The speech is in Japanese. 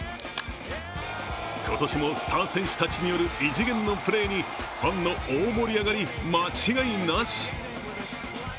今年もスター選手たちによる異次元のプレーにファンの大盛り上がり間違いなし！